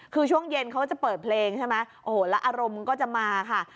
คือช่วงเย็นเขาก็จะเปิดเพลงใช่ไหมโอ้โหแล้วอารมณ์ก็จะมาค่ะ